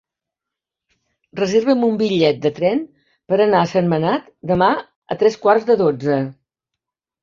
Reserva'm un bitllet de tren per anar a Sentmenat demà a tres quarts de dotze.